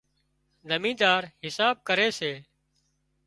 زمينۮار حساب ڪري سي